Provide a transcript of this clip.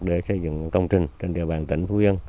để xây dựng công trình trên địa bàn tỉnh phú yên